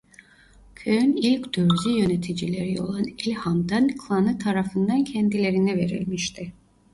Köyün ilk Dürzi yöneticileri olan el-Hamdan klanı tarafından kendilerine verilmişti.